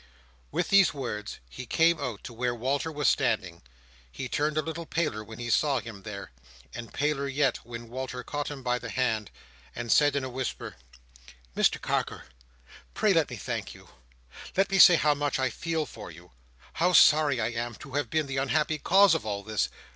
With these words he came out to where Walter was standing. He turned a little paler when he saw him there, and paler yet when Walter caught him by the hand, and said in a whisper: "Mr Carker, pray let me thank you! Let me say how much I feel for you! How sorry I am, to have been the unhappy cause of all this!